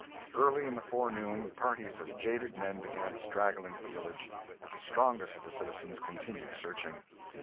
Early in the forenoon parties of jaded men began to straggle into the village, but the strongest of the citizens continued searching.